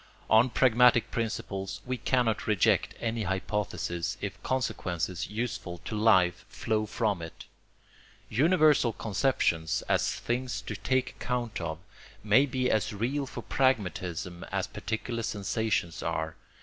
On pragmatic principles we cannot reject any hypothesis if consequences useful to life flow from it. Universal conceptions, as things to take account of, may be as real for pragmatism as particular sensations are.